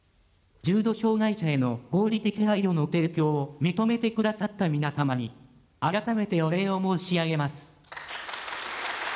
重度障害者への合理的配慮の提供を認めてくださった皆様に、改めてお礼を申し上げます。